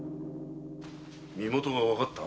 身許がわかった？